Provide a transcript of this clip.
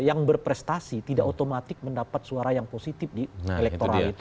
yang berprestasi tidak otomatis mendapat suara yang positif di elektoral itu